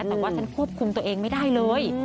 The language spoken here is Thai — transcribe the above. แต่ว่าฉันควบคุมตัวเองไม่ได้เลย